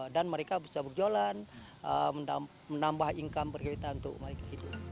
dan mereka bisa berjualan menambah income berkaitan untuk mereka